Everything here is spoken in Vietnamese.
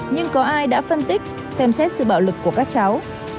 nhưng có ai đã phân tích xem xét sự bạo lực của các cháu